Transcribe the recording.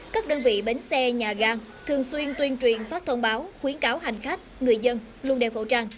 các đơn vị bến xe nhà ga thường xuyên tuyên truyền phát thông báo khuyến cáo hành khách người dân luôn đeo khẩu trang